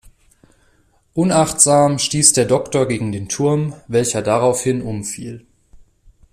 Unachtsam stieß der Doktor gegen den Turm, welcher daraufhin umfiel.